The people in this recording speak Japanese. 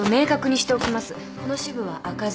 この支部は赤字。